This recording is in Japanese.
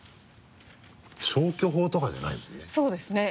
消去法とかじゃないもんね。